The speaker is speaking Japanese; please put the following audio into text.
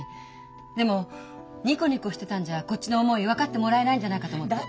でもニコニコしてたんじゃこっちの思い分かってもらえないんじゃないかと思って。